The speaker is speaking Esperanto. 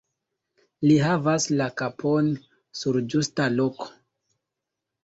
Li havas la kapon sur ĝusta loko.